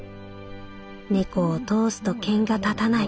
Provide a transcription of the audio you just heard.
猫を通すと険が立たない」。